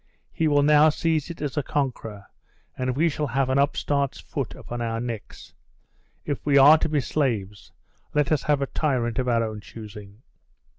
He will now seize it as a conqueror, and we shall have an upstart's foot upon our necks. If we are to be slaves, let us have a tyrant of our own choosing."